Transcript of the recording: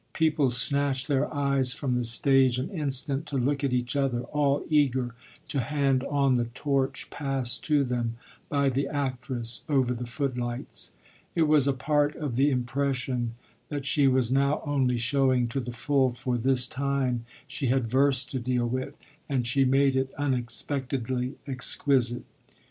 People snatched their eyes from the stage an instant to look at each other, all eager to hand on the torch passed to them by the actress over the footlights. It was a part of the impression that she was now only showing to the full, for this time she had verse to deal with and she made it unexpectedly exquisite.